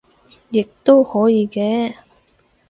亦都可以嘅